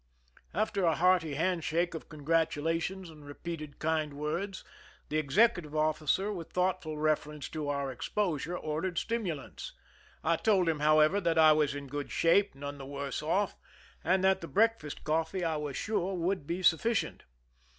After a hearty hand shake of congratulation and repeated kind words, the executive officer, with thoughtful reference to our exposure, ordered stim ulants. I told him, however, that I was in good shape, none the worse off, and that the breakfast coffee, I was sure, would be sufficient.